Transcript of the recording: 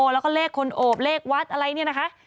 แล้วก็เลขคนโอบเลขวัดอะไรเนี่ยนะคะ